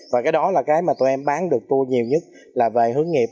và cái đó là cái mà tụi em bán được tour nhiều nhất là về hướng nghiệp